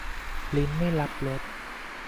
ลิ้นไม่รับรส